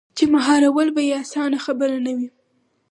چـې مـهار ول بـه يـې اسـانه خبـره نـه وي.